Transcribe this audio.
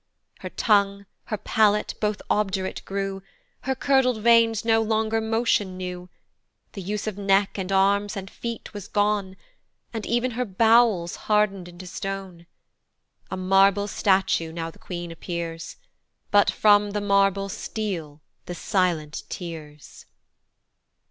"Her tongue, her palate both obdurate grew, "Her curdled veins no longer motion knew; "The use of neck, and arms, and feet was gone, "And ev'n her bowels hard'ned into stone: "A marble statue now the queen appears, "But from the marble steal the silent tears."